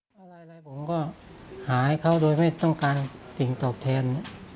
ผมก็หาให้เขาโดยไม่ต้องการสิ่งตอบแทน